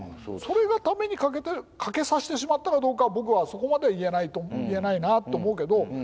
それがために欠けさせてしまったかどうかは僕はそこまでは言えないなと思うけど。